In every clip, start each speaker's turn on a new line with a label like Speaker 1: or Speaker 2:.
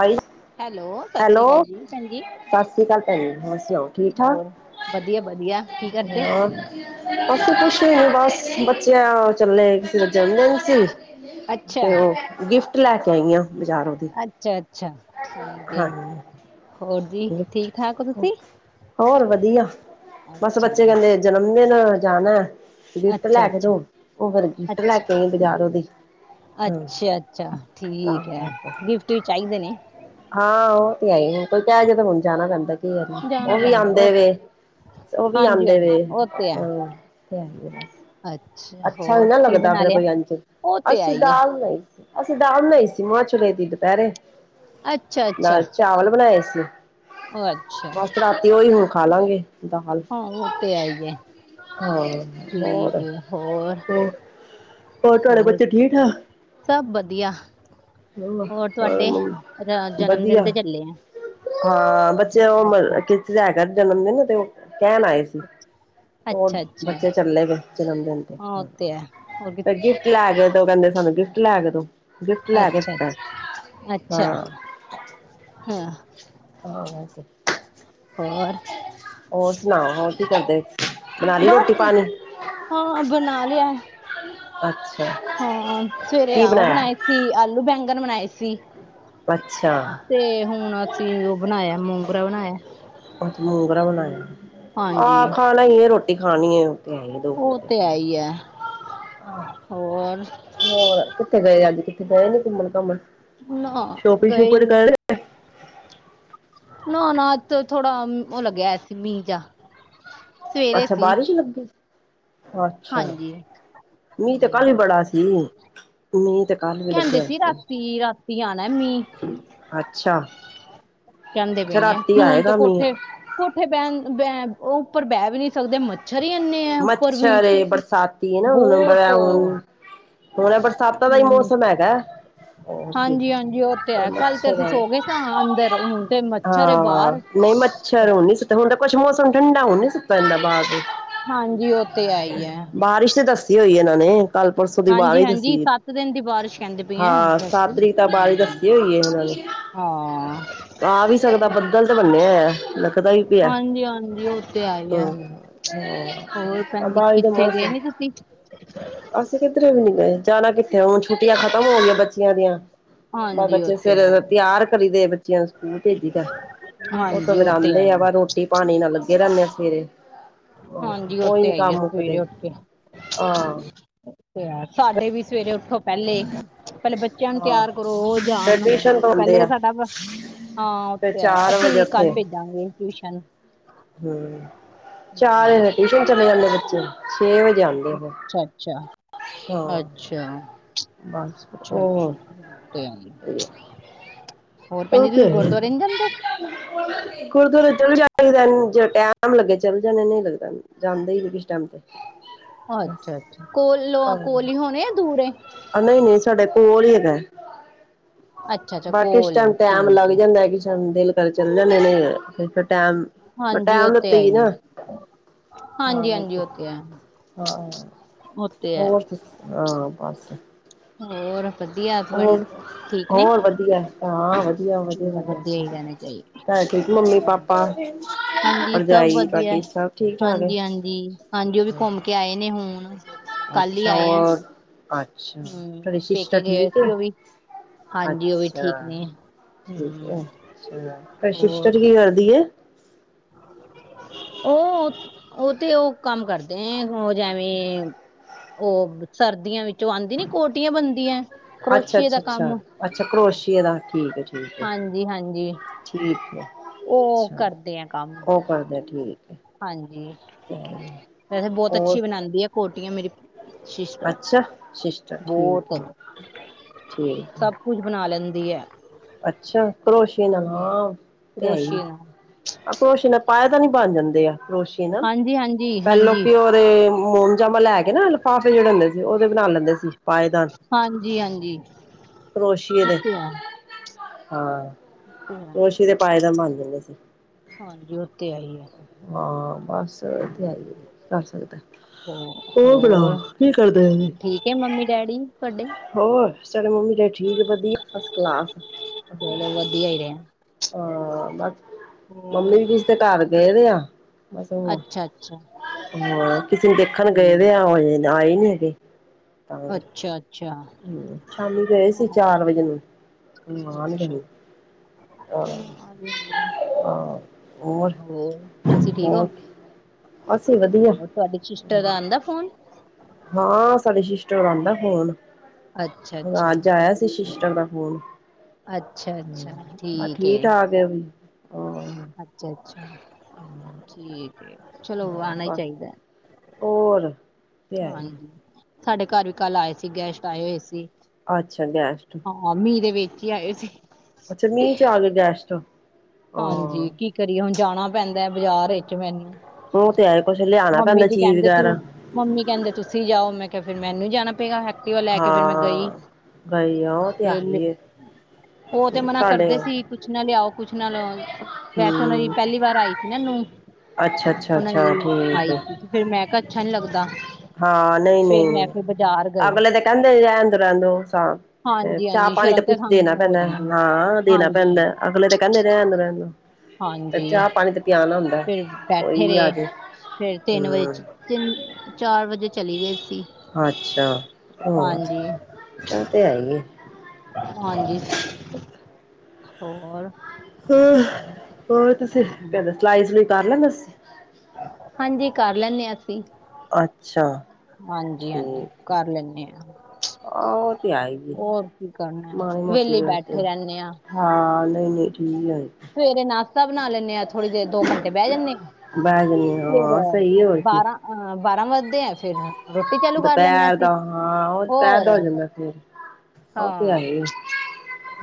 Speaker 1: ਆਈ
Speaker 2: hello. ਸਤਿ ਸ੍ਰੀ
Speaker 1: hello,
Speaker 2: ਅਕਾਲ ਜੀ ਭੈਣ ਜੀ।
Speaker 1: ਸਤਿ ਸ਼੍ਰੀ ਅਕਾਲ ਭੈਣ ਜੀ, ਹੋਰ ਸੁਣਾਓ ਠੀਕ ਠਾਕ।
Speaker 2: ਹੋਰ ਵਧੀਆ- ਵਧੀਆ। ਕੀ ਕਰਦੇ?
Speaker 1: ਹ, ਬਸ ਕੁਛ ਹੀ ਨੀ ਬਸ ਬੱਚੇ ਚੱਲੇ ਹੈਗੇ ਜਦਾ ਜਨਮ ਦਿਨ ਸੀ,
Speaker 2: ਅੱਛਾ
Speaker 1: ਤੇ ਉਹ ਗਿਫਟ ਲੈ ਕੇ ਆਈ ਆ ਬਾਜ਼ਾਰ ਉਹਦੀ
Speaker 2: ਅੱਛਾ -ਅੱਛਾ ਠੀਕ ਹੈ।
Speaker 1: ਗਿਫਟ ਹੋਰ,
Speaker 2: ਤੁਸੀਂ?
Speaker 1: ਹੋਰ ਵਧੀਆ ਬਸ
Speaker 2: ਅੱਛਾ
Speaker 1: ਬੱਚੇ ਕਹਿੰਦੇ ਜਨਮ ਦਿਨ, ਜਾਣਾ। ਗਿਫਟ ਲੈ
Speaker 2: ਅੱਛਾ
Speaker 1: ਕੇ
Speaker 2: ਅੱਛਾ
Speaker 1: ਦੋ, ਉਹ ਫਿਰ ਗਿਫਟ ਲੈ
Speaker 2: ਅੱਛਾ
Speaker 1: ਕੇ ਆਈ ਬਾਜ਼ਾਰ ਉਹਦੀ।
Speaker 2: ਅੱਛਾ- ਅੱਛਾ,
Speaker 1: ਤਾਂ
Speaker 2: ਠੀਕ ਹੈ,
Speaker 1: ਕਰਕੇ
Speaker 2: ਗਿਫਟ ਵੀ ਚਾਹੀਦੇ ਨੇ।
Speaker 1: ਹਾਂ ਉਹ ਤੇ ਹੈ ਈ ਏ, ਕੋਈ ਕਹਿ ਜੇ ਹੁਣ ਜਾਣਾ ਪੈਂਦਾ ਕੀ ਕਰੀਏ,
Speaker 2: ਜਾਣਾ
Speaker 1: ਉਹ ਵੀ
Speaker 2: ਪੈਂਦਾ
Speaker 1: ਆਉਂਦੇ ਵੇ। ਉਹ ਵੀ
Speaker 2: ਹਾਂਜੀ
Speaker 1: ਆਉਂਦੇ ਵੇ,
Speaker 2: ਹਾਂਜੀ ਉਹ ਤੇ ਹੈ
Speaker 1: ਹਾਂ। ਅੱਛਾ ਵੀ
Speaker 2: ਹੋਰ
Speaker 1: ਨਾ
Speaker 2: ਕੀ
Speaker 1: ਲੱਗਦਾ
Speaker 2: ਬਣਾ
Speaker 1: ਫਿਰ
Speaker 2: ਲਿਆ
Speaker 1: ਕੋਈ ਅੰਜ,
Speaker 2: ਉਹ ਤੇ ਹੈ
Speaker 1: ਅਸੀ
Speaker 2: ਹੀ
Speaker 1: ਦਾਲ ਬਣਾਈ। ਸੀ ਅਸੀਂ ਦਾਲ ਬਣਾਈ ਸੀ, ਮਾਂਹ ਛੋਲਿਆਂ ਦੀ ਦੁਪਹਿਰੇ
Speaker 2: ਅੱਛਾ- ਅੱਛਾ।
Speaker 1: ਨਾਲ ਚਾਵਲ ਬਣਾਏ ਸੀ,
Speaker 2: ਉਹ ਅੱਛਾ
Speaker 1: ਬਸ ਰਾਤੀ ਉਹੀ ਹੁਣ ਖਾ ਲਾਂਗੇ। ਦਾਲ
Speaker 2: ਹਾਂ ਉਹ ਤੇ ਹੈ ਈ ਏ।
Speaker 1: ਹਾਂ, ਹੋਰ,
Speaker 2: ਹੋਰ
Speaker 1: ਹਮ ਹੋਰ ਤੁਹਾਡੇ ਬੱਚੇ ਠੀਕ ਆ।
Speaker 2: ਸਭ ਵਧੀਆ ਹੋਰ ਤੁਹਾਡੇ ਰ- ਜਨਮ ਦਿਨ
Speaker 1: ਵਧੀਆ,
Speaker 2: ਤੇ ਚੱਲੇ ਆ
Speaker 1: ਹਾਂ, ਬੱਚੇ ਉਮਰ
Speaker 2: ਅੱਛਾ
Speaker 1: ਕੀ ਕਲ ਹੈਗਾ ਜਨਮ ਦਿਨ, ਤੇ ਉਹ ਕਹਿਣ ਆਏ ਸੀ। ਹੋਰ,
Speaker 2: ਅੱਛਾ ਅੱਛਾ ਅੱਛਾ
Speaker 1: ਬੱਚੇ ਚੱਲੇ ਗਏ ਜਨਮ ਦਿਨ ਤੇ,
Speaker 2: ਹਾਂ ਉਹ ਤੇ ਹੈ ਹੋਰ
Speaker 1: ਪੈਗੀ। ਗਿਫਟ ਲੈ ਕੇ ਦੋ, ਕਹਿੰਦੇ ਸਾਨੂੰ ਗਿਫਟ ਲੈ ਕੇ ਦੋ, ਗਿਫਟ
Speaker 2: ਅੱਛਾ
Speaker 1: ਲੈ ਕੇ
Speaker 2: ਅੱਛਾ
Speaker 1: ਦਿੱਤਾ
Speaker 2: ਅੱਛਾ,
Speaker 1: ਹਾਂ
Speaker 2: ਹਾਂ।
Speaker 1: [unintelligible]
Speaker 2: ਹੋਰ
Speaker 1: ਹੋਰ ਸੁਣਾਓ, ਹੋਰ ਕੀ ਕਰਦੇ। ਬਣਾ ਲਈ ਰੋਟੀ
Speaker 2: ਬਸ,
Speaker 1: ਪਾਣੀ
Speaker 2: ਹਾਂ ਬਣਾ ਲਿਆ।
Speaker 1: ਅੱਛਾ
Speaker 2: ਹਾਂ, ਸਵੇਰੇ
Speaker 1: ਕੀ
Speaker 2: ਆਓ
Speaker 1: ਬਣਾਇਆ
Speaker 2: ਬਣਾਏ ਸੀ, ਆਲੂ ਬੈਂਗਣ ਬਣਾਏ ਸੀ।
Speaker 1: ਅੱਛਾ।
Speaker 2: ਤੇ ਹੁਣ ਅਸੀਂ, ਉਹ ਬਣਾਇਆ, ਮੂੰਗਰਾ ਬਣਾਇਆ
Speaker 1: ਤੇ ਮੂੰਗਰਾ ਬਣਾਇਆ, ਆਹ
Speaker 2: ਹਾਂਜੀ
Speaker 1: ਖਾਣਾ ਹੀ ਇਹ ਰੋਟੀ ਖਾਣੀ ਤੇ ਆ ਹੀ ਦੋ [inaudible]
Speaker 2: ਉਹ ਤੇ ਹੈ ਹੀ ਹੈ ਹੋਰ
Speaker 1: ਹੋਰ? ਕਿੱਥੇ ਗਏ ਅੱਜ ਕਿੱਥੇ ਗਏ ਨੀ ਘੁੰਮਣ-ਘਾਮਣ?
Speaker 2: ਨਾ ਗਏ ਈ ਨੀ। ਨਾ-ਨਾ ਅੱਜ ਥੋੜਾ ਉਹ ਲੱਗਿਆ ਸੀ, ਮੀਂਹ ਜਹਾ
Speaker 1: ਅੱਛਾ ਬਾਰਿਸ਼ ਲੱਗੀ? ਅੱਛਾ,
Speaker 2: ਹਾਂਜੀ
Speaker 1: ਮੀਂਹ ਤੇ ਕੱਲ ਹੀ ਬੜਾ ਸੀ। ਮੀਂਹ ਤੇ ਕੱਲ ਵੀ
Speaker 2: ਕਹਿੰਦੇ
Speaker 1: ਲੱਗਿਆ ਹੀ।
Speaker 2: [unintelligible] [inaudible] ਆਣਾ ਮੀਂਹ।
Speaker 1: ਅੱਛਾ।
Speaker 2: ਕਹਿੰਦੇ ਪਏ
Speaker 1: ਅੱਛਾ
Speaker 2: ਨੇ
Speaker 1: ਰਾਤੀ
Speaker 2: ਹੁਣ ਤੇ
Speaker 1: ਆਏਗਾ ਮੀਂਹ
Speaker 2: ਕੋਠੇ ਕੋਠੇ ਬਹਿਣ ਬ ਉਹ ਉੱਪਰ ਬਹਿ ਵੀ ਨੀ ਸਕਦੇ, ਮ- -ਛਰ ਇੰਨੇ ਐ, ਉੱਪਰ ਵੀ
Speaker 1: ਮੱਛਰ ਏ ਬਰਸਾਤੀ ਏ ਨਾ ਹੁਣ
Speaker 2: ਬਹੁਤ
Speaker 1: ਬੜਾ ਹੁਣ ਹੁਣ ਬਰਸਾਤਾਂ ਦਾ ਈ ਮੌਸਮ ਹੈਗਾ। ਹੋਰ ਕੀ
Speaker 2: ਹਾਂਜੀ-ਹਾਂਜੀ, ਉਹ ਤੇ ਹੈ ਕੱਲ ਤੇ
Speaker 1: ਮੱਛਰ
Speaker 2: ਅਸੀਂ
Speaker 1: ਹੈ
Speaker 2: ਸੋ ਗਏ ਸਾਂ ਅੰਦਰ ਹੁਣ ਤੇ ਮੱਛਰ ਏ
Speaker 1: ਹਾਂ
Speaker 2: ਬਾਹਰ।
Speaker 1: ਨਹੀਂ, ਮੱਛਰ ਹੁਣ ਨੀ ਹੁਣ ਤਾਂ ਕੁਛ ਮੌਸਮ ਠੰਡਾ ਹਣ ਨੀ ਸੁੱਤਾ ਜਾਂਦਾ ਬਾਰ।
Speaker 2: ਹਾਂਜੀ, ਉਹ ਤੇ ਐ ਈ ਐ।
Speaker 1: ਬਾਰਿਸ਼ ਦੇ ਦੱਸ ਸੀ ਹੋਈ ਇਹਨਾਂ ਨੇ ਕੱਲ-ਪਰਸੋਂ ਦੀ ਬਾਰਸ਼
Speaker 2: ਹਾਂਜੀ
Speaker 1: ਹੀ
Speaker 2: ਹਾਂਜੀ
Speaker 1: ਦੱਸੀ,
Speaker 2: ਸੱਤ ਦਿਨ ਦੀ ਬਾਰਿਸ਼ ਕਹਿੰਦੇ ਪਏ ਹੈ
Speaker 1: ਹਾਂ
Speaker 2: ਵੈਸੇ
Speaker 1: ਸੱਤ ਤਰੀਕ ਤਾਂ ਬਾਰਸ਼ ਹੀ
Speaker 2: ਹਮ,
Speaker 1: ਦੱਸੀ ਹੋਈ ਹੈ। ਉਹਨਾਂ ਨੇ
Speaker 2: ਹਾਂ
Speaker 1: ਆ ਵੀ ਸਕਦਾ ਬੱਦਲ ਤੇ ਬੰਨ੍ਹਿਆ ਹੋਏਐ। [inaudible] ਦਾ ਵੀ ਪਿਆ [inaudible]
Speaker 2: ਹਾਂਜੀ ਹਾਂਜੀ ਉਹ ਤੇ ਹੈ ਹੀ ਹੈ ਹੋਰ
Speaker 1: ਹਾਂ
Speaker 2: ਭੈਣਜੀ
Speaker 1: ਬਾਰਿਸ਼ ਦਾ
Speaker 2: ਕਿੱਥੇ ਗਏ
Speaker 1: ਮੌਸਮ
Speaker 2: ਨੀ ਤੁਸੀਂ?
Speaker 1: ਅਸੀਂ ਕਿੱਧਰੇ ਵੀ ਨੀ ਗਏ, ਜਾਣਾ ਕਿੱਥੇ ਹੁਣ ਛੁੱਟੀਆਂ ਖਤਮ ਹੋ ਗਈਆਂ ਬੱਚਿਆਂ ਦੀਆਂ। ਬ
Speaker 2: ਹਾਂਜੀ ਉਹ
Speaker 1: ਬੱਚੇ
Speaker 2: ਤੇ ਹੈ
Speaker 1: ਸਵੇਰੇ ਤਿਆਰ ਕਰੀ ਦੇ ਬੱਚਿਆਂ ਨੂੰ ਸਕੂਲ ਭੇਜੀ ਦਾ ਉਹ ਤਾਂ
Speaker 2: ਹਾਂਜੀ
Speaker 1: ਫਿਰ
Speaker 2: ਤੇ ਹੈ
Speaker 1: ਆਉਂਦੇ ਆ
Speaker 2: ਹੀ ਹੈ।
Speaker 1: ਵ ਰੋਟੀ ਪਾਣੀ ਨਾਲ ਲੱਗੇ ਰਹਿੰਦੇ ਆ ਸਵੇਰੇ।
Speaker 2: ਹਾਂਜੀ,
Speaker 1: ਉਹੀ
Speaker 2: ਉੱਥੇ
Speaker 1: ਨੀ
Speaker 2: ਆਈਏ
Speaker 1: ਕੰਮ
Speaker 2: ਸਵੇਰੇ
Speaker 1: ਮੁੱਕਦੇ
Speaker 2: ਉੱਠ ਕੇ।
Speaker 1: ਆਹ
Speaker 2: ਅੱਛੇ, ਸਾਡੇ ਵੀ ਸਵੇਰੇ ਉੱਠੋ ਪਹਿਲੇ ਪਹਿਲੇ ਬੱਚਿਆਂ ਨੂੰ
Speaker 1: ਹਾਂ
Speaker 2: ਤਿਆਰ ਕਰੋ, ਉਹ
Speaker 1: ਫਿਰ
Speaker 2: ਜਾਣ
Speaker 1: ਟਿਊਸ਼ਨ ਤੋਂ ਆਂਦੇ
Speaker 2: ਪਹਿਲੇ
Speaker 1: ਆ।
Speaker 2: ਸਾਡਾ ਹਾਂ ਉ
Speaker 1: ਫਿਰ
Speaker 2: ਤੇ ਹੈ
Speaker 1: ਚਾਰ ਵਜੇ
Speaker 2: ਅਸੀਂ ਕੱਲ੍ਹ ਭੇਜਾਂਗੇ ਟਿਊਸ਼ਨ।
Speaker 1: ਹਮ ਚਾਰ ਵਜੇ ਟਿਊਸ਼ਨ ਚਲੇ ਜਾਂਦੇ, ਬੱਚੇ ਛੇ ਵਜੇ ਆਦੇ ਫ਼ਿਰ।
Speaker 2: ਅੱਛਾ-ਅੱਛਾ। ਅੱਛਾ,
Speaker 1: ਬਸ
Speaker 2: ਅੱਛਾ,
Speaker 1: ਉਹ
Speaker 2: ਅੱਛਾ [inaudible] ਹੋਰ ਭੈਣ
Speaker 1: ਉਹ
Speaker 2: ਜੀ ਤੁਸੀ
Speaker 1: ਤੇ ਹੈ।
Speaker 2: ਗੁਰਦੁਆਰੇ ਨੀ ਜਾਂਦੇ?
Speaker 1: ਗੁਰਦੁਆਰੇ ਚੱਲ ਜਾਈਦਾ ਜੇ ਟੈਮ ਲੱਗੇ ਚੱਲ ਜਾਣੇ, ਨਹੀਂ ਲੱਗਦਾ ਜਾਂਦੇ ਹੀ ਨੀ ਕਿਸ ਟਾਈਮ ਤੇ। ਬਸ
Speaker 2: ਅੱਛਾ-ਅੱਛਾ ਕੋਲ ਕੋਲੀ ਹੀ
Speaker 1: ਆ
Speaker 2: ਹੋਣੇ ਆ ਦੂਰ ਏ?
Speaker 1: ਨਹੀਂ ਨਹੀਂ ਸਾਡੇ ਕੋਲ ਹੀ ਹੈਗਾ।
Speaker 2: ਅੱਛਾ ਅੱਛਾ
Speaker 1: ਬਾਕ ਕਿਸ
Speaker 2: ਕੋਲ
Speaker 1: ਟਾਈਮ
Speaker 2: ਏ
Speaker 1: ਟੈਮ
Speaker 2: ਠੀਕ
Speaker 1: ਲੱਗ
Speaker 2: ਹੈ
Speaker 1: ਜਾਂਦਾ ਕਿਸ ਟਾਈਮ ਦਿਲ ਕਰ ਚੱਲ ਜਾਂਦੇ ਨੇ ਟੈਮ ਬਸ
Speaker 2: ਹਾਂਜੀ ਉਹ
Speaker 1: ਟੈਮ ਦੇ
Speaker 2: ਤੇ
Speaker 1: ਉੱਤੇ
Speaker 2: ਹੈ
Speaker 1: ਹੀ ਨਾ।
Speaker 2: ਹੈ
Speaker 1: ਹਾਂ,
Speaker 2: ਹਾਂਜੀ
Speaker 1: ਹਾਂ,
Speaker 2: ਹਾਂਜੀ ਉਹ ਤੇ ਹੈ
Speaker 1: ਹਾਂ
Speaker 2: ਉਹ ਤੇ ਹੈ
Speaker 1: ਹੋਰ ਹਾਂ ਬਸ
Speaker 2: ਹੋਰ ਵਧੀਆ ਹਸਬੈਂਡ ਠੀਕ ਨੇ
Speaker 1: ਹੋਰ-ਹੋਰ ਵਧੀਆ। ਹਾਂ- ਹਾਂ, ਵਧੀਆ-ਵਧੀਆ
Speaker 2: ਚਲੋ ਵਧੀਆ ਹੀ ਰਹਿਣਾ ਚਾਹੀਦਾ
Speaker 1: [inaudible] ਭੈਣ ਠੀਕ ਮੰਮੀ ਪਾਪਾ?
Speaker 2: ਹਾਂਜੀ ਸਭ
Speaker 1: ਭਰਜਾਈ
Speaker 2: ਵਧੀਆ
Speaker 1: ਤੁਹਾਡੀ ਸਭ ਠੀਕ ਠਾਕ ਹੈ
Speaker 2: ਹਾਂਜੀ, ਹਾਂਜੀ,
Speaker 1: ਅੱਛਾ
Speaker 2: ਹਾਂਜੀ, ਉਹ ਵੀ
Speaker 1: ਅੱਛਾ।
Speaker 2: ਘੁੰਮ ਕੇ ਆਏ ਨੇ ਹੁਣ। ਕੱਲ ਹੀ
Speaker 1: ਅੱਛਾ
Speaker 2: ਆਏ ਹੈ
Speaker 1: ਹੋਰ ਅੱਛਾ
Speaker 2: ਹਮ
Speaker 1: ਤੁਹਾਡੀ
Speaker 2: ਪੇਕੇ
Speaker 1: ਸਿਸਟਰ
Speaker 2: ਗਏ
Speaker 1: ਠੀਕ ਏ?
Speaker 2: ਸੀ ਉਹ ਵੀ ਹਾਂਜੀ ਉਹ ਵੀ
Speaker 1: ਅੱਛਾ
Speaker 2: ਠੀਕ ਨੇ
Speaker 1: ਠੀਕ ਹੈ
Speaker 2: ਹਮ
Speaker 1: ਤੁਹਾਡੀ
Speaker 2: ਹੋਰ
Speaker 1: ਸਿਸਟਰ ਕੀ ਕਰਦੀ ਹੈ
Speaker 2: [unintelligible] ਉਹ ਉਹ ਤੇ ਉਹ ਕੰਮ ਕਰਦੇ ਆ ਉਹ ਜਿਵੇਂ ਉਹ ਸਰਦੀਆਂ ਵਿੱਚੋਂ ਆਉਂਦੀ ਨੀ ਕੋਟੀਆਂ ਬਣਦੀਆਂ
Speaker 1: ਅੱਛਾ
Speaker 2: ਕਰੋਸ਼ੀਏ ਦਾ
Speaker 1: ਅੱਛਾ ਅੱਛਾ
Speaker 2: ਕੰਮ
Speaker 1: ਅੱਛਾ ਕਰੋਸ਼ੀਏ ਠੀਕ ਹੈ ਜੀ
Speaker 2: ਹਾਂਜੀ ਹਾਂਜੀ
Speaker 1: ਹੈ
Speaker 2: ਉਹ
Speaker 1: ਅੱਛਾ
Speaker 2: ਕਰਦੇ ਆ ਕੰਮ
Speaker 1: ਉਹ ਕਰਦੇ ਠੀਕ ਹੈ
Speaker 2: ਹਾਂਜੀ
Speaker 1: ਤੇ
Speaker 2: ਵੈਸੇ ਬਹੁਤ
Speaker 1: ਹੋਰ
Speaker 2: ਅੱਛੀ ਬਣਾਉਂਦੀ ਆ ਕੋਟੀਆਂ ਮੇਰੀ ਸਿਸਟਰ
Speaker 1: ਅੱਛਾ ਸਿਸਟਰ
Speaker 2: ਬਹੁਤ
Speaker 1: ਠੀਕ
Speaker 2: ਹੈ
Speaker 1: ਠੀਕ ਹੈ
Speaker 2: ਸਭ ਕੁਝ ਬਣਾ ਲੈਂਦੀ ਹੈ।
Speaker 1: ਅੱਛਾ ਕਰੋਸ਼ੀਏ ਨਾਲ
Speaker 2: ਹਮ
Speaker 1: ਹਾਂ ਤੇ ਹੈਈ
Speaker 2: ਕਰੋਸ਼ੀਏ ਨਾਲ
Speaker 1: ਆ ਕਰਰੋਸ਼ੀਏ ਨਾਲ ਪਾਏ ਤਾਂ ਨੀ ਬਣ ਜਾਂਦੇ ਆ ਕਰੋਸ਼ੀ ਨਾਲ
Speaker 2: ਹਾਂਜੀ ਹਾਂਜੀ
Speaker 1: ਪਹਿਲ
Speaker 2: ਹਾਂਜੀ
Speaker 1: ਲੋਕ ਉਹ ਤੇ ਮੋਮਜਮਾ ਲੈ ਕੇ ਨਾ ਲਿਫਾਫੇ ਜਿਹੜੇ ਹੁੰਦੇ ਸੀ ਉਹਦੇ ਬਣਾ ਲੈਂਦੇ ਸੀ ਪਾਏਦਾਨ
Speaker 2: ਹਾਂਜੀ ਹਾਂਜੀ
Speaker 1: ਕਰੋਸ਼ੀਏ
Speaker 2: ਉਹ
Speaker 1: ਦੇ
Speaker 2: ਤੇ ਹੈ
Speaker 1: ਹਾਂ
Speaker 2: ਤੇ ਹੈ
Speaker 1: ਕਰੋਸ਼ੀਏ ਦੇ ਪਾਏਦਾਨ ਬਣ ਜਾਂਦੇ ਸੀ
Speaker 2: ਹਾਂਜੀ ਉਹ ਤੇ ਹੈ ਈ ਹੈ
Speaker 1: ਹਾਂ ਬਸ ਇਆ ਕਰ ਸਕਦਾ
Speaker 2: ਹੋ
Speaker 1: ਉਹ ਬਣਾਓ ਕੀ ਕਰਦਾ ਇਹਦੇ
Speaker 2: ਗਏ ਮੰਮੀ ਡੈਡੀ ਤੁਹਾਡੇ।
Speaker 1: ਹੋਰ ਸਾਡੇ ਮੰਮੀ ਡੇਡੀ ਠੀਕ ਵਧੀਆ ਫਸਟ ਕਲਾਸ।
Speaker 2: ਚਲੋ ਵਧੀ ਹੀ ਰਹਿਣ
Speaker 1: ਹਾਂ ਬਸ ਮੰਮੀ ਵੀ
Speaker 2: ਹੋਰ
Speaker 1: ਕਿਸ ਦੇ ਘਰ ਗਏ ਦੇ ਆ। ਹੋਰ
Speaker 2: ਅੱਛਾ ਅੱਛਾ
Speaker 1: ਹਾਂ ਕਿਸੇ ਨੂੰ ਦੇਖਣ ਗਏ ਦੇ
Speaker 2: ਠੀਕ
Speaker 1: ਆ ਆਏ ਨੀ ਹੈਗੇ ਹਜੇ।
Speaker 2: ਅੱਛਾ ਅੱਛਾ
Speaker 1: ਹਮ ਸ਼ਾਮੀ ਗਏ ਸੀ ਚਾਰ ਵਜੇ ਨੂੰ ਆ ਨੀ ਕਦੀ
Speaker 2: ਕਿਹਨੂੰ ਆ ਜਾਂਦੀ ਹੈ। ਹੋਰ ਤੁਸੀਂ ਠੀਕ ਹੋ
Speaker 1: ਹੋਰ ਅਸੀਂ ਵਧੀਆ
Speaker 2: ਹੋਰ ਤੁਹਾਡੇ ਸਿਸਟਰ ਦਾ ਆਉਂਦਾ ਫੋਨ।
Speaker 1: ਹਾਂ ਸਾਡੀ ਸਿਸਟਰ ਦਾ ਆਉਂਦਾ ਫੋਨ
Speaker 2: ਅੱਛਾ ਅੱਛਾ
Speaker 1: ਅੱਜ ਆਇਆ ਸੀ ਸ਼ਿਸਟਰ ਦਾ ਫੋਨ
Speaker 2: ਅੱਛਾ ਅੱਛਾ
Speaker 1: ਹ
Speaker 2: ਠੀਕ
Speaker 1: ਠਾਕ
Speaker 2: ਹੈ।
Speaker 1: ਵੀ
Speaker 2: ਅੱਛਾ ਅੱਛਾ
Speaker 1: ਹਾਂ
Speaker 2: ਠੀਕ ਹੈ ਚਲੋ ਆਉਣਾ ਹੀ
Speaker 1: ਬਸ
Speaker 2: ਚਾਹੀਦਾ।
Speaker 1: ਹੋਰ ਤੇ ਆਏ
Speaker 2: ਹਾਂਜੀ ਸਾਡੇ ਘਰ ਵੀ ਕੱਲ ਆਏ ਸੀ ਗੈਸਟ ਆਏ ਹੋਏ ਸੀ।
Speaker 1: ਅੱਛਾ ਗੈਸਟ
Speaker 2: ਹਾਂ ਮੀਂਹ ਦੇ ਵਿੱਚੇ ਹੀ ਆਏ ਹੋਏ ਸੀ।
Speaker 1: ਅੱਛਾ ਮੀਂਹ ਚ ਆ ਗਏ ਗੈਸਟ
Speaker 2: ਹਾਂਜੀ
Speaker 1: ਹਾਂ
Speaker 2: ਕੀ ਕਰੀਏ ਹੁਣ ਜਾਣਾ ਪੈਂਦਾ ਹੈ ਬਾਜ਼ਾਰ ਵਿੱਚ ਮੈਨੂੰ
Speaker 1: ਉਹ ਤੇ ਹੈ ਕੁਛ ਲਿਆਉਣਾ
Speaker 2: ਮੰਮੀ
Speaker 1: ਪੈਂਦਾ
Speaker 2: ਜੀ
Speaker 1: ਚੀਜ਼
Speaker 2: ਕਹਿੰਦੇ
Speaker 1: ਵਗੈਰਾ
Speaker 2: ਤੂੰ ਮੰਮੀ ਕਹਿੰਦੇ ਤੁਸੀਂ ਜਾਓ ਮੈਂ ਕਿਹਾ ਫਿਰ ਮੈਨੂੰ ਜਾਣਾ ਪਏਗਾ ਐ ਐਕਟੀਵਾ ਲੈ ਕੇ ਫਿਰ ਮੈਂ ਗਈ
Speaker 1: ਹਾਂ ਗਈ ਆ ਉਹ ਤੇ
Speaker 2: ਫਿਰ
Speaker 1: ਆਈ
Speaker 2: ਉਹ ਤੇ ਮਨਾ
Speaker 1: ਸਾਡੇ
Speaker 2: ਕਰਦੇ ਸੀ ਕੁੱਛ ਨਾ ਲਿਆਓ ਕੁਛ ਨਾਲੋਂ ਵੈਸੇ ਉਹਨਾਂ ਦੀ
Speaker 1: ਹਮ
Speaker 2: ਪਹਿਲੀ ਵਾਰ ਆਈ ਸੀ ਨਾ ਨੂੰਹ
Speaker 1: ਅੱਛਾ ਅੱਛਾ
Speaker 2: ਉਹਨਾਂ ਦੀ
Speaker 1: ਅੱਛਾ ਠੀਕ
Speaker 2: ਆਈ
Speaker 1: ਹੈ
Speaker 2: ਸੀ ਤੇ ਫੇਰ ਮੈਂ ਕਿਹਾ ਅੱਛਾ ਨੀ ਲੱਗਦਾ
Speaker 1: ਹਾਂ ਨਹੀਂ
Speaker 2: ਫਿਰ ਮੈਂ
Speaker 1: ਨਹੀਂ
Speaker 2: ਫਿਰ ਬਾਜ਼ਾਰ ਗਈ
Speaker 1: ਅਗਲੇ ਤੇ ਕਹਿੰਦੇ ਰਹਿਣ ਦੋ ਰਹਿਣ ਦੋ ਤੇ
Speaker 2: ਹਾਂਜੀ
Speaker 1: ਚਾਹ
Speaker 2: ਹਾਂਜੀ
Speaker 1: ਪਾਣੀ ਤਾਂ
Speaker 2: ਸ਼ਰਮ
Speaker 1: ਕੁਛ
Speaker 2: ਤੇ
Speaker 1: ਦੇਣਾ
Speaker 2: ਸਾਨੂੰ ਹੋ
Speaker 1: ਪੈਂਦਾ
Speaker 2: ਜਾਂਦੀ ਹੈ
Speaker 1: ਹਾਂ ਦੇਣਾ
Speaker 2: ਹਾਂਜੀ ਹਾਂਜੀ
Speaker 1: ਪੈਂਦਾ ਅਗਲੇ ਤਾਂ ਕਹਿੰਦੇ ਰਹਿਣ ਰਹਿਣ ਦਿਓ
Speaker 2: ਹਾਂਜੀ ਫਿਰ ਬੈਠੇ
Speaker 1: ਕੋਈ ਵੀ
Speaker 2: ਰਹੇ
Speaker 1: ਆ ਜੇ
Speaker 2: ਫੇਰ ਤਿੰਨ ਵਜੇ
Speaker 1: ਹਮ
Speaker 2: ਤਿੰਨ ਚਾਰ ਵਜੇ ਚਲੀ ਗਏ ਸੀ
Speaker 1: ਅੱਛਾ ਹੋਰ
Speaker 2: ਹਾਂਜੀ
Speaker 1: ਉਹ ਤੇ ਹੈ ਹੀ ਆ
Speaker 2: ਹਾਂਜੀ ਹੋਰ
Speaker 1: ਹਮ ਹੋਰ ਤੁਸੀਂ ਕੈਂਦੇ ਸਲਾਈ ਸਲੂਈ ਕਰ ਲੈਂਦਾ
Speaker 2: ਹਾਂਜੀ ਕਰ ਲੈਂਦੇ ਹਾਂ ਅਸੀਂ
Speaker 1: ਅੱਛਾ
Speaker 2: ਹਾਂਜੀ ਹਾਂਜੀ ਕਰ ਲੈਂਦੇ ਹਾਂ
Speaker 1: ਆ
Speaker 2: ਹੋਰ ਕੀ ਕਰਨਾ ਆ ਵਿਹਲੀ
Speaker 1: ਗੱਲ ਤੇ
Speaker 2: ਬੈਠੇ ਰੈਂਦੇ ਆਾਂ
Speaker 1: ਹਾਂ ਨ ਨ
Speaker 2: ਸਵੇਰੇ ਨਾਸ਼ਤਾ ਬਨਾ ਲੈਂਨੇ ਆਂ ਥੋੜੀ ਦੇਰ, ਦੋ ਘੰਟੇ ਬੈ ਜਾਂਨੇ ਆਂ
Speaker 1: ਬੈ ਜਾਨੇ ਆਂ, ਸਈ ਏ ਹੋਰ ਕੀ।
Speaker 2: ਹਾਂ ਬਾਰਾਂ ਵੱਜਦੇ ਐ, ਫੇਰ ਰੋਟੀ ਚਾਲੂ ਕਰ ਲੈਨੇ
Speaker 1: ਦੁਪਹਿਰ
Speaker 2: ਅਸੀ,
Speaker 1: ਦਾ ਹਾਂ ਉਹ ਦੁਪਹਿਰ
Speaker 2: ਹੋਰ
Speaker 1: [unintelligible] ਉਹ ਤੇ ਹੈ ਹੀ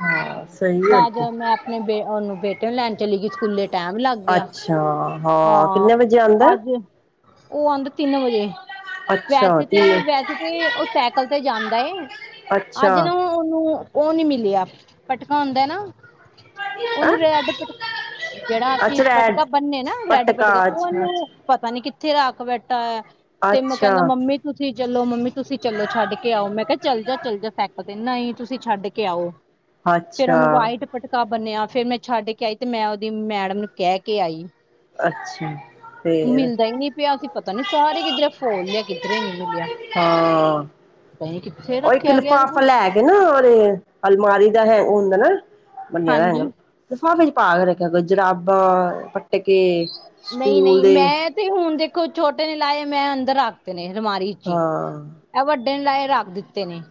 Speaker 1: ਹਾਂ ਸਹੀ ਹੈ ਤੇ
Speaker 2: ਅਪਨੇ ਬੇ ਓਨੂੰ ਬੇਟੇ ਨੂੰ ਲੈਨ ਚਲੀ ਗਈ, ਸਕੂਲੇ ਟੈਮ ਲਾਗ
Speaker 1: ਅੱਛਾ।
Speaker 2: ਹਾਂ,
Speaker 1: ਕਿੰਨੇ ਵਜੇ ਆਉਂਦਾ
Speaker 2: ਅਜ ਓ ਆਂਦੇ ਤਿੰਨ ਵਜੇ।
Speaker 1: ਅੱਛਾ
Speaker 2: ਵੈਸੇ ਤੇ,
Speaker 1: ਤਿੰਨ
Speaker 2: ਵੈਸੇ ਤੇ ਓ ਸੈਕਲ ਤੇ ਜਾਂਦਾ ਏ
Speaker 1: ਅੱਛਾ
Speaker 2: ਅਜ ਨਾ ਓਨੂੰ ਓ ਨੀ ਮਿਲੇਆ, ਪਟਕਾ ਹੁੰਦੈ ਨਾ
Speaker 1: ਹੈਂ
Speaker 2: ਓਨੂੰ ਰੇਡ ਪਟ ਜੇੜਾ ਅਸੀ
Speaker 1: ਅੱਛਾ ਰੈਡ
Speaker 2: ਪਟਕਾ ਬਨਨੇ ਨਾ, ਰੈਡ ਪਟਕਾ ਓਨੂੰ ਪਤਾ ਨੀ ਕਿੱਥੇ ਰਾਖ ਬੈਠਾ ਐ, ਤੇਮ ਕੈਂਦਾ
Speaker 1: ਅੱਛਾ
Speaker 2: ਮੰਮੀ ਤੁਸੀ ਚਲੋ, ਮੰਮੀ ਤੁਸੀ ਚਲੋ ਛੱਡ ਕੇ ਆਓ, ਮੈਂ ਕੇਆ ਚਲ ਜਾ, ਚਲ ਜਾ। ਫੇਕ ਦੇ ਨਾ ਈ ਤੁਸੀ ਛੱਡ ਕੇ ਆਓ, ਫੇਰ
Speaker 1: ਅੱਛਾ
Speaker 2: ਓਨੂੰ ਵਾਈਟ ਪਟਕਾ ਬੰਨੇਆ ਫੇਰ ਮੈਂ ਛੱਡ ਕੇ ਆਈ, ਤੇ ਮੈਂ ਓਦੀ ਮੈਡਮ ਨੂੰ ਕੈਹ ਕੇ ਆਈ।
Speaker 1: ਅੱਛਾ ਫੇਰ
Speaker 2: ਮਿਲਦਾ ਈ ਨੀ ਪੇਆ ਸੀ ਪਤਾ ਨੀ ਸਾਰੇ ਕਿੱਧਰ ਫੋਲ ਲੇਆ ਕਿੱਧਰੋ ਈ ਨੀ ਮਿਲੇਆ
Speaker 1: ਹਾਂ
Speaker 2: ਪਤਾ ਨੀ ਕਿੱਥੇ
Speaker 1: ਉਹ ਇੱਕ
Speaker 2: ਰੱਖੇਆ ਗੇਆ ਵੇ।
Speaker 1: ਲਿਫਾਫਾ ਲੈ ਕੇ ਨਾ ਆ, ਅਲਮਾਰੀ ਦਾ ਹੈ ਹੁੰਦੈ ਨਾ ਬੰਨੇਆ ਹੈਗਾ
Speaker 2: ਹਾਂਜੀ
Speaker 1: ਲਿਫਾਫੇ ਚ ਪਾ ਕੇ ਰੱਖੇਆ ਕਰੋ ਜਰਾਬਾਂ, ਪਟਕੇ
Speaker 2: ਨਹੀਂ
Speaker 1: ਸਕੂਲ
Speaker 2: ਨਹੀਂ
Speaker 1: ਦੇ
Speaker 2: ਮੈਂ ਤੇ ਹੁਣ ਦੇਖੋ ਛੋਟੇ ਨੇ ਲਾਏ, ਮੈਂ ਅੰਦਰ ਰੱਖਤੇ ਨੇ ਅਲਮਾਰੀ ਚ
Speaker 1: ਹਾਂ।
Speaker 2: ਐ ਵੱਡੇ ਨੇ ਲਾਏ ਰਾਖ ਦਿੱਤੇ ਨੇ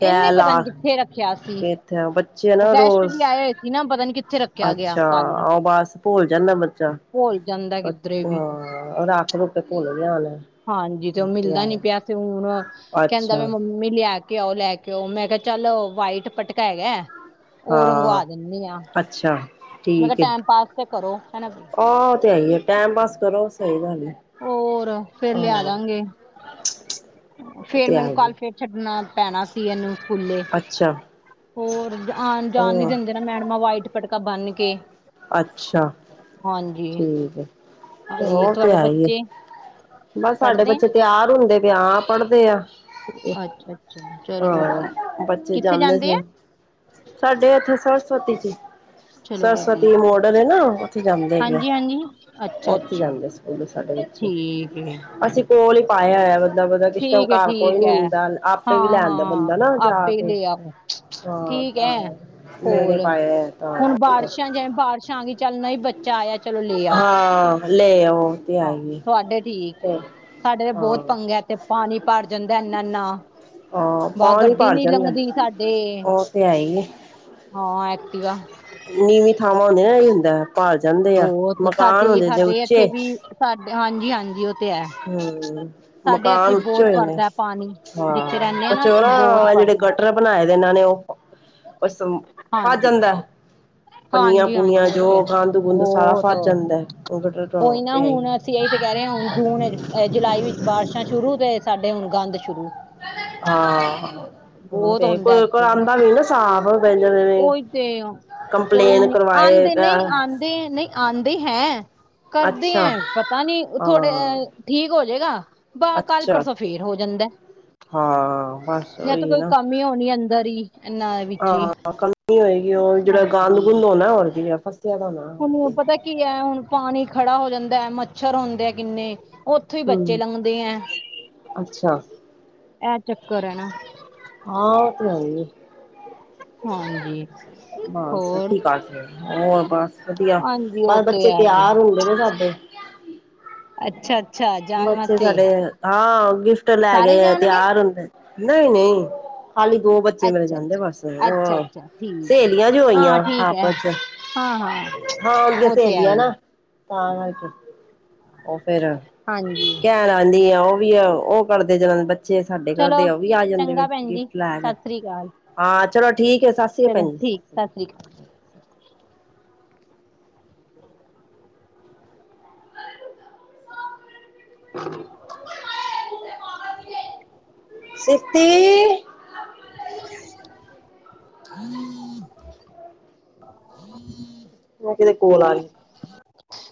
Speaker 1: ਤੈ
Speaker 2: ਏਨੇ ਪਤਾ ਨੀ
Speaker 1: ਲਾ
Speaker 2: ਕਿੱਥੇ ਰੱਖੇਆ ਸੀ,
Speaker 1: ਕੇ ਇੱਥੇ ਬੱਚੇ
Speaker 2: ਓ
Speaker 1: ਨਾ
Speaker 2: ਗੈਸਟ
Speaker 1: ਰੋਜ਼
Speaker 2: ਵੀ ਆਏ ਹੋਏ ਸੀ ਨਾ, ਪਤਾ ਨੀ ਕਿੱਥੇ ਰੱਖੇਆ ਕੇਆ ਗੇਆ ਕਾਲਾਂ
Speaker 1: ਭੁਲ ਜਾਂਦਾ ਬੱਚਾ,
Speaker 2: ਵੀ
Speaker 1: ਹਾਂ ਰਾਖ ਰੂਖ ਕੇ ਭੁਲ ਗੇਆ ਹੋਨੈ।
Speaker 2: ਹਾਂਜੀ ਜੋ ਮਿਲਦਾ ਨੀ ਪੇਆ ਸੀ ਹੁਣ ਕੈਂਦਾ
Speaker 1: ਅੱਛਾ
Speaker 2: ਵੇ ਮੰਮੀ ਲੈ ਕੇ ਆਓ, ਲੈ ਕੇ ਆਓ, ਮੈਂ ਕੇਆ ਚਲ ਵਾਈਟ ਪਟਕਾ ਹੈਗੈ ਓ
Speaker 1: ਹਾਂ
Speaker 2: ਰੰਗਵਾ ਦੇਂਨੀ ਆ,
Speaker 1: ਅੱਛਾ
Speaker 2: ਮੈਂ ਕੇਆ ਟੈਮ ਪਾਸ ਤੇ ਕਰੋ, ਹਨਾ
Speaker 1: ਹਾਂ ਓ ਤੇ ਹੈਈ ਐ ਟੈਮ ਪਾਸ ਕਰੋ, ਸਈ ਗਲ ਐ।
Speaker 2: ਹੋਰ ਫੇਰ ਲੇਆ ਦਾਂਗੇ।
Speaker 1: ਉਹ
Speaker 2: ਫੇਰ
Speaker 1: ਤੇ ਹੈ
Speaker 2: ਮੈਨੂੰ
Speaker 1: ਹੀ
Speaker 2: ਕਾਲ
Speaker 1: ਹੈ
Speaker 2: ਫੇਰ ਛੱਡਨਾ ਪੈਣਾ ਸੀ ਏਨੂੰ ਸਕੂਲੇ
Speaker 1: ਅੱਛਾ
Speaker 2: ਹੋਰ ਆਨ ਜਾਨ ਨੀ
Speaker 1: ਉਹ
Speaker 2: ਦੇਂਦੇ ਨਾ ਮੈਡਮਾ ਵਾਈਟ ਪਟਕਾ ਬੰਨ ਕੇ।
Speaker 1: ਅੱਛਾ,
Speaker 2: ਹਾਂਜੀ
Speaker 1: ਠੀਕੇ।
Speaker 2: ਹਾਂਜੀ
Speaker 1: ਓ ਤੇ
Speaker 2: ਤੁਹਾਡੇ
Speaker 1: ਹੈ ਈ ਏ,
Speaker 2: ਬੱਚੇ
Speaker 1: ਬਾਸ ਸਾਡੇ
Speaker 2: ਪੜ੍ਹਦੇ
Speaker 1: ਬੱਚੇ ਤੇਆਰ ਹੁੰਦੇ ਵੇਆਂ, ਪੜਦੇ ਆਂ।
Speaker 2: ਅੱਛਾ। ਅੱਛਾ ਚਲੋ ਵਧੀਆ
Speaker 1: ਹਾਂ, ਬੱਚੇ
Speaker 2: ਕਿੱਥੇ
Speaker 1: ਜਾਂਦੇ
Speaker 2: ਆ
Speaker 1: ਸੀ, ਸਾਡੇ ਏਥੇ ਸਰਸਵਤੀ ਜੀ
Speaker 2: ਚਲੋ
Speaker 1: ਸਰਸਵਤੀ
Speaker 2: ਵਧੀਆ
Speaker 1: ਮੋਡਲ ਏ ਨਾ ਉਥੇ ਜਾਂਦੇ ਹੈਗੇ,
Speaker 2: ਹਾਂਜੀ ਹਾਂਜੀ ਅੱਛਾ
Speaker 1: ਓਥੇ
Speaker 2: ਅੱਛਾ
Speaker 1: ਜਾਂਦੇ ਸੀ। ਓ ਵੀ ਸਾਡੇ ਵਿੱਚ
Speaker 2: ਠੀਕ ਹੈ
Speaker 1: ਅਸੀਂ ਕੋਲ ਈ ਪਾਇਆ ਹੋਇਆ ਬੰਦਾ, ਮਤਲਬ ਜਿਸ ਟੈਮ
Speaker 2: ਠੀਕ ਹੈ
Speaker 1: ਘਰ ਕੋਈ
Speaker 2: ਠੀਕ
Speaker 1: ਨੀ
Speaker 2: ਹੈ
Speaker 1: ਹੁੰਦਾ ਆਪ ਆਪੇ ਵੀ ਲੈ
Speaker 2: ਹਾਂ
Speaker 1: ਆਂਦਾ
Speaker 2: ਹਾਂ
Speaker 1: ਬੰਦਾ ਨਾ, ਜਾ
Speaker 2: ਆਪੇ
Speaker 1: ਕੇ
Speaker 2: ਲੈ ਆਓ
Speaker 1: ਹਾਂ
Speaker 2: ਠੀਕ
Speaker 1: ਤਾਂ
Speaker 2: ਹੈ
Speaker 1: ਨੇੜੇ
Speaker 2: ਕੋਲ
Speaker 1: ਪਾਏ ਆਇਆ।
Speaker 2: ਹੁਣ ਬਾਰਸ਼ਾਂ ਜਿਵੇਂ, ਬਾਰਸ਼ ਆਗੀ ਚੱਲ ਨਈ ਬੱਚਾ ਆਇਆ ਚਲੋ ਲੇ ਆਓ,
Speaker 1: ਹਾਂ ਲੈ ਉਹ ਤੇ ਹੈ
Speaker 2: ਹਾਂ
Speaker 1: ਹੀ
Speaker 2: ਤੁਹਾਡੇ ਠੀਕ
Speaker 1: ਹੈ।
Speaker 2: ਸਾਡੇ ਤੇ ਬੋਤ
Speaker 1: ਹਾਂ
Speaker 2: ਪੰਗਾ ਤੇ ਪਾਣੀ ਭਾਰ ਜਾਂਦਾ ਐਨਾ ਐਨਾ
Speaker 1: ਹਾਂ
Speaker 2: ਵਾ
Speaker 1: ਪਾਣੀ
Speaker 2: ਗੱਡੀ
Speaker 1: ਭਰ
Speaker 2: ਨੀ
Speaker 1: ਜਾਂਦਾ
Speaker 2: ਲੰਘਦੀ ਸਾਡੇ।
Speaker 1: ਉਹ ਤੇ ਹੈ ਹੀ ਏ।
Speaker 2: ਹਾਂ, ਐਕਟੀਵਾ।
Speaker 1: ਨੀਵੀ ਥਾਵਾਂ ਹੁੰਦੀਆਂ ਨਾ ਐਈ ਹੁੰਦਾ। ਭਰ ਜਾਂਦੇ ਆ
Speaker 2: ਬੋਤ
Speaker 1: ਮਕਾਨ
Speaker 2: ਸਾਡੇ
Speaker 1: ਹੁੰਦੇ ਨੇ
Speaker 2: ਸਾਡੇ ਏਥੇ ਵੀ ਸਾਡੇ ਹਾਂਜੀ ਹਾਂਜੀ। ਤੇ ਹੈ
Speaker 1: ਹੂੰ
Speaker 2: ਸਾਡੇ ਇੱਥੇ
Speaker 1: ਮਕਾਨ ਉੱਚ
Speaker 2: ਬਹੁਤ
Speaker 1: ਹੋਏ ਨੇ
Speaker 2: ਪੜਦਾ ਪਾਣੀ ਜਿੱਥੇ
Speaker 1: ਹਾਂ।
Speaker 2: ਰਹਿੰਦੇ ਆ ਨਾ ਬਹੁਤ
Speaker 1: ਕੁਚੋਰਾ ਜਿਹੜੇ
Speaker 2: ਪੜਦਾ
Speaker 1: ਗਟਰ ਬਣਾਏ ਦੇ ਇਹਨਾਂ ਨੇ ਓ ਕੁ ਫਸ
Speaker 2: ਹਾਂਜੀ
Speaker 1: ਜਾਂਦਾ। ਪੰਨੀਆਂ
Speaker 2: ਹਾਂਜੀ ਹਾਂਜੀ
Speaker 1: ਪੁੁੰਨੀਆਂ
Speaker 2: ਉਹ ਤੇ ਹੈ
Speaker 1: ਜੋ ਗੰਦ ਗੁੰਦ ਸਾਰਾ
Speaker 2: ਬਹੁਤ
Speaker 1: ਫਸ
Speaker 2: ਉਹੀ
Speaker 1: ਜਾਂਦਾ [unintelligible]
Speaker 2: ਨਾ
Speaker 1: ਤੇ ਹੈਈ।
Speaker 2: ਹੁਣ ਅਸੀਂ ਇਹੀ ਤੇ ਕਹਿ ਰਹੇ ਆ ਹੁਣ ਜੂਨ ਜੁਲਾਈ ਵਿੱਚ ਬਾਰਿਸ਼ਾਂ ਸ਼ੁਰੂ ਤੇ ਸਾਡੇ ਹੁਣ ਗੰਦ ਸ਼ੁਰੂ।
Speaker 1: ਹਾਂ
Speaker 2: ਬਹੁਤ
Speaker 1: ਤੇ
Speaker 2: ਹੁੰਦਾ
Speaker 1: ਕੋਈ ਇੱਕ ਵਾਰ
Speaker 2: ਇੱਥੇ
Speaker 1: ਆਂਦਾ ਵੀ ਨਾ ਸਾਬ
Speaker 2: ਉਹੀ ਤੇ ਕੋਈ ਨੀ
Speaker 1: ਕਰਵਾਏ
Speaker 2: ਆਂਦੇ ਨੀ ਆਂਦੇ। ਨਹੀਂ ਆਂਦੇ ਹੈ ਕਰਦੇ
Speaker 1: ਅੱਛਾ
Speaker 2: ਐ ਪਤਾ ਨੀ ਥੋੜੇ
Speaker 1: ਹਾਂ
Speaker 2: ਠੀਕ ਹੋਜੇਗਾ ਬਸ ਕੱਲ
Speaker 1: ਅੱਛਾ
Speaker 2: ਪਰਸੋਂ ਫੇਰ ਹੋ ਜਾਂਦਾ।
Speaker 1: ਹਾਂ ਬਸ
Speaker 2: ਜਾ ਤਾਂ
Speaker 1: ਉਹੀ
Speaker 2: ਕੋਈ
Speaker 1: ਨਾ
Speaker 2: ਕਮੀ ਹੋਣੀ ਅੰਦਰ ਹੀ ਏਨਾ ਦੇ ਵੀ
Speaker 1: ਹਾਂ ਕਮੀ ਹੋਏਗੀ ਉਹ ਜਿਹੜਾ ਗੰਦ
Speaker 2: ਹਾਂਜੀ
Speaker 1: ਗੁੰਦ ਹੋਣਾ ਹੋਰ ਕੀ ਐ ਫਸਿਆ ਦਾ ਹੋਣਾ।
Speaker 2: ਹੁਣ ਪਤਾ ਕੀ ਐ ਹੁਣ ਪਾਣੀ ਖੜਾ ਹੋ ਜਾਂਦਾ ਮੱਛਰ ਹੁੰਦੇ ਆ ਕਿੰਨੇ। ਉੱਥੋਂ ਹੀ ਬੱਚੇ
Speaker 1: ਹਮ
Speaker 2: ਲੰਘਦੇ ਆ
Speaker 1: ਅੱਛਾ
Speaker 2: ਇਹ ਚੱਕਰ ਐ ਨਾ।
Speaker 1: ਹਾਂ ਉਹ ਤੇ ਹੈਈ ਆ।
Speaker 2: ਹਾਂਜੀ।
Speaker 1: ਬਸ
Speaker 2: ਹੋਰ
Speaker 1: ਕੀ ਸਕਦੇ ਹੋਰ ਬਸ ਵਧੀਆ
Speaker 2: ਹਾਂਜੀ ਉਹ
Speaker 1: ਬਸ
Speaker 2: ਤੇ
Speaker 1: ਬੱਚੇ
Speaker 2: ਹੈ ਹੀ
Speaker 1: ਤਿਆਰ ਹੋ।
Speaker 2: ਹੈ
Speaker 1: [unintelligible]
Speaker 2: ਅੱਛਾ। ਅੱਛਾ ਜਾਣ
Speaker 1: ਬੱਚੇ
Speaker 2: ਵਾਸਤੇ
Speaker 1: ਸਾਡੇ ਹਾਂ ਗਿਫਟ ਲੈ
Speaker 2: ਸਾਰੇ
Speaker 1: ਗਏ ਆ
Speaker 2: ਜਾਣਗੇ
Speaker 1: ਤਿਆਰ ਹੁੰਦੇ ਨਹੀਂ ਨਹੀਂ। ਹਾਲੀ ਦੋ ਬੱਚੇ ਮੇਰੇ
Speaker 2: ਅੱਛਾ ਅੱਛਾ
Speaker 1: ਜਾਂਦੇ ਬਸ
Speaker 2: ਅੱਛਾ ਅੱਛਾ ਠੀਕ ਹੈ
Speaker 1: ਸਹੇਲੀਆਂ
Speaker 2: ਠੀਕ
Speaker 1: ਜੋ
Speaker 2: ਹਾਂ
Speaker 1: ਹੋਈਆਂ
Speaker 2: ਠੀਕ ਹੈ
Speaker 1: ਆਪਸ ਚ।
Speaker 2: ਹਾਂ ਹਾਂ
Speaker 1: ਹਾਂ ਅੱਗੇ
Speaker 2: ਉਹ ਤੇ
Speaker 1: ਸਹੇਲੀ
Speaker 2: ਹੈ
Speaker 1: ਆ
Speaker 2: ਹੀ
Speaker 1: ਨਾ ਤਾਂ ਕਰਕੇ ਓ ਫੇਰ
Speaker 2: ਹਾਂਜੀ।
Speaker 1: ਕਹਿਣ ਆਨੀ ਆ ਉਹ ਵੀ ਉਹ ਕਰਦੇ ਜਿੰਨਾਂ ਦੇ ਬੱਚੇ। ਬੱਚੇ ਸਾਡੇ
Speaker 2: ਚਲੋ
Speaker 1: ਘਰਦੇ ਆ ਉਹ ਵੀ ਆ ਜਾਂਦੇ
Speaker 2: ਚੰਗਾ ਭੈਣ ਜੀ
Speaker 1: ਗਿਫਟ ਲੈਣ
Speaker 2: ਸਤਿ ਸ਼ੀ ਅਕਾਲ।
Speaker 1: ਹਾਂ ਚਲੋ ਠੀਕ ਐ ਸਤਿ ਸ਼ੀ
Speaker 2: ਚਲੋ
Speaker 1: ਭੈਣੀ ਜੀ ਸਾਸਰੀ।
Speaker 2: ਸਤਿ ਠੀਕ। [inaudible]
Speaker 1: ਸੱਤੀ [inaudible] ਹੁਣ ਕਿਦੀ ਕੋਲ ਆ ਗੀ।